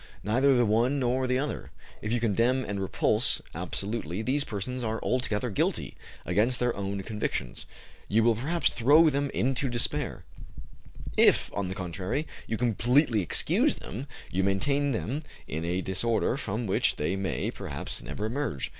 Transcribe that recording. Neither the one nor the other. If you condemn and repulse absolutely these persons as altogether guilty, against their own convictions, you will perhaps throw them into despair; if, on the contrary, you completely excuse them, you maintain them in a disorder from which they may, perhaps, never emerge.